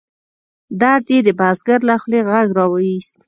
درد یې د بزګر له خولې غږ را ویوست.